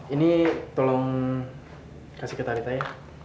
ini tolong kasih ke tarita ya